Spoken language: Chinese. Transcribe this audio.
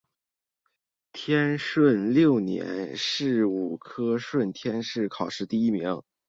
天顺六年壬午科顺天乡试第一名。